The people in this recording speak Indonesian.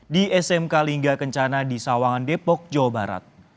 di smk lingga kencana di sawangan depok jawa barat